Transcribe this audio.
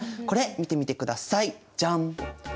これ見てみてくださいジャン！